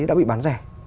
đã bị bán rẻ